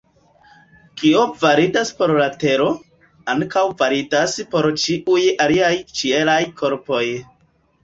Kio validas por la Tero, ankaŭ validas por ĉiuj aliaj ĉielaj korpoj.